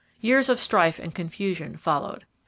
Years of strife and confusion followed.